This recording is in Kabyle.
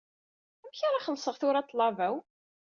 Amek ara xellseɣ tura ṭṭlaba-w?